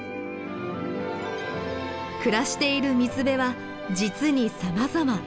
暮らしている水辺は実にさまざま。